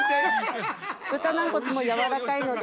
豚軟骨も、やわらかいので。